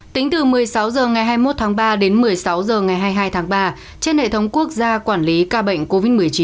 tính từ một mươi sáu h ngày hai mươi một tháng ba đến một mươi sáu h ngày hai mươi hai tháng ba trên hệ thống quốc gia quản lý ca bệnh covid một mươi chín